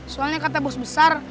soalnya katanya bos besar